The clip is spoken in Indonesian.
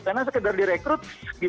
karena sekedar direkrut